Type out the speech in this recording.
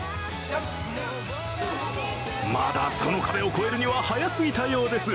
まだその壁を越えるには早すぎたようです。